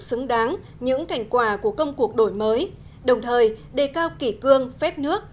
xứng đáng những thành quả của công cuộc đổi mới đồng thời đề cao kỷ cương phép nước